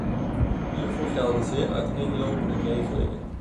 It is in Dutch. Hiervoor gelden zeer uiteenlopende regelingen.